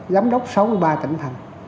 giám đốc sáu mươi ba tỉnh thành